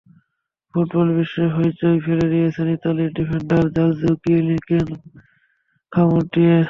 Football বিশ্বে হইচই ফেলে দিয়েছিলেন ইতালির ডিফেন্ডার জর্জো কিয়েলিনিকে কামড় দিয়ে।